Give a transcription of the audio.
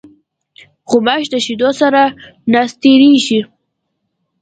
غوماشې د شیدو سره ناستېږي.